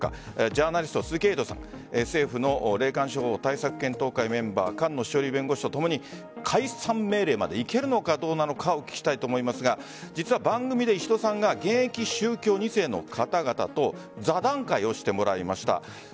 ジャーナリスト・鈴木エイトさん政府の霊感商法対策検討会メンバー菅野志桜里弁護士とともに解散命令までいけるのかどうなのかを聞きたいと思いますが実は番組で石戸さんが現役宗教２世の方々と座談会をしてもらいました。